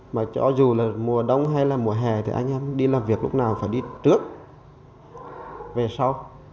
mà cho dù là mùa đông hay là mùa hè thì anh em đi làm việc lúc nào phải đi trước về sau